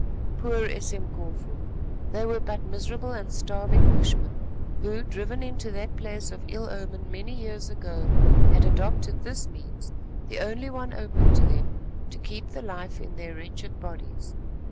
Poor Esemkofu! they were but miserable and starving bushmen who, driven into that place of ill omen many years ago, had adopted this means, the only one open to them, to keep the life in their wretched bodies.